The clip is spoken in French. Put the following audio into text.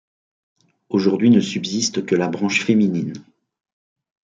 Aujourd'hui ne subsiste que la branche féminine.